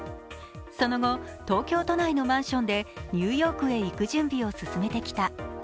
その後、東京都内のマンションでニューヨークへ行く準備を進めてきた。